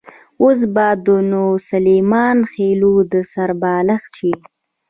اوس به نو د سلیمان خېلو د سر بالښت شي.